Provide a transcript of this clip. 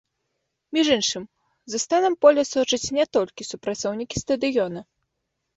Між іншым, за станам поля сочаць не толькі супрацоўнікі стадыёна.